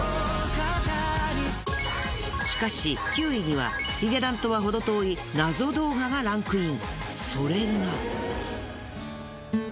しかし９位には髭男とはほど遠い謎動画がランクイン。